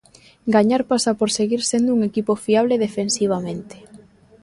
Gañar pasa por seguir sendo un equipo fiable defensivamente.